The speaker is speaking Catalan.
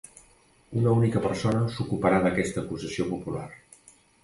Una única persona s'ocuparà d'aquesta acusació popular.